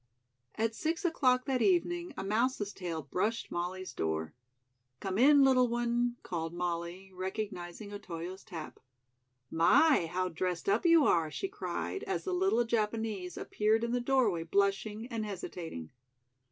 At six o'clock that evening a mouse's tail brushed Molly's door. "Come in, little one," called Molly, recognizing Otoyo's tap. "My, how dressed up you are!" she cried as the little Japanese appeared in the doorway blushing and hesitating.